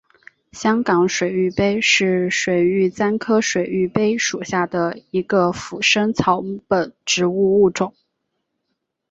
香港水玉杯是水玉簪科水玉杯属下的一个腐生草本植物物种。